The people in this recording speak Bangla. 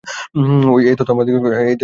এই তত্ত্ব আমাদিগকে স্বীকার করিতেই হইবে।